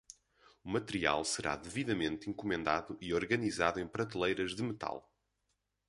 O material será devidamente encomendado e organizado em prateleiras de metal.